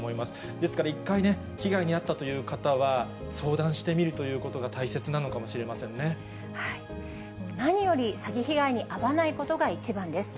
ですから、１回ね、被害に遭ったという方は、相談してみるということが大切な何より詐欺被害に遭わないことが一番です。